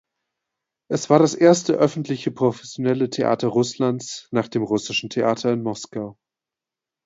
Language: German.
Es war das erste öffentliche professionelle Theater Russlands nach dem Russischen Theater in Moskau.